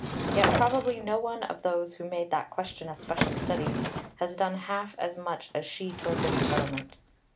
Yet probably no one of those who made that question a special study has done half as much as she towards its settlement.